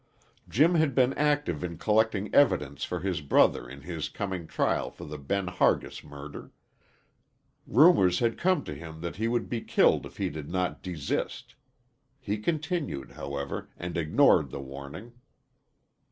Jim had been active in collecting evidence for his brother in his coming trial for the Ben Hargis murder. Rumors had come to him that he would be killed if he did not desist. He continued, however, and ignored the warning.